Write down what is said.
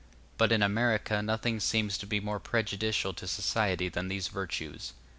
But in America nothing seems to be more prejudicial to society than these virtues.